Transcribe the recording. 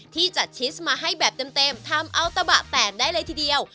ที่จัดชิสมาให้แบบเต็มทำเอาตะบะแตกได้เลยทีเดียว